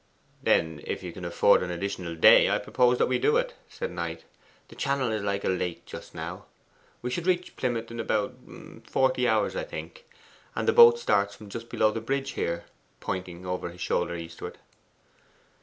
'Then if you can afford an additional day, I propose that we do it,' said Knight. 'The Channel is like a lake just now. We should reach Plymouth in about forty hours, I think, and the boats start from just below the bridge here' (pointing over his shoulder eastward).